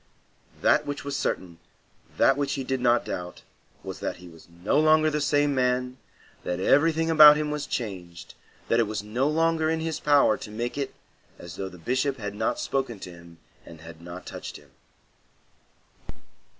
That which was certain, that which he did not doubt, was that he was no longer the same man, that everything about him was changed, that it was no longer in his power to make it as though the Bishop had not spoken to him and had not touched him.